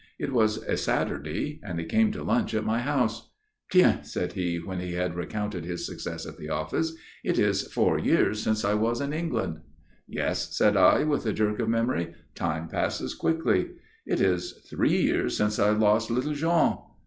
It was a Saturday and he came to lunch at my house. "Tiens!" said he, when he had recounted his success in the office, "it is four years since I was in England?" "Yes," said I, with a jerk of memory. "Time passes quickly." "It is three years since I lost little Jean."